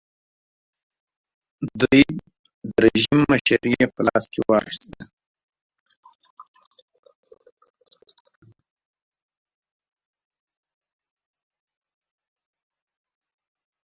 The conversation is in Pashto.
د رژیم مشري یې په لاس کې واخیسته.